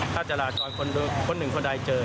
ถ้าจราจรคนหนึ่งคนใดเจอ